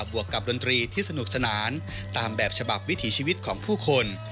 วกกับดนตรีที่สนุกสนานตามแบบฉบับวิถีชีวิตของผู้คน